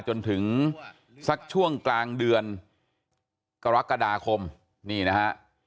จนถึงสักช่วงกลางเดือนกรกฎาคมนี่นะฮะ